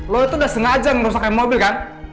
lo itu udah sengaja yang merusakkan mobil kan